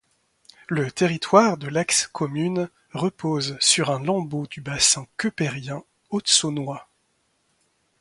Le territoire de l'ex commune repose sur un lambeau du bassin keupérien Haute-Saônois.